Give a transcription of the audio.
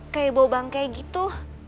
kayak bau bangke gitu